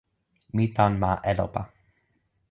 mi tan ma Elopa.